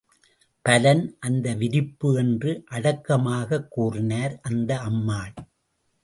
பலன், அந்த விரிப்பு என்று அடக்கமாகக் கூறினார் அந்த அம்மாள்.